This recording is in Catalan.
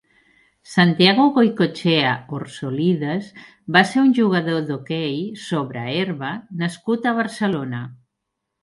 Santiago Goicoechea Orsolides va ser un jugador d'hoquei sobre herba nascut a Barcelona.